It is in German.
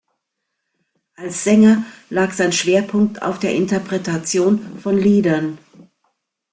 Als Sänger lag sein Schwerpunkt auf der Interpretation von Liedern.